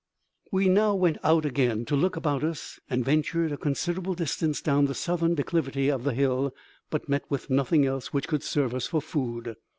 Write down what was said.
We now went out again to look about us, and ventured a considerable distance down the southern declivity of the hill, but met with nothing else which could serve us for food.